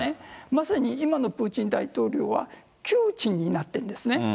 まさに今のプーチン大統領は窮地になってるんですね。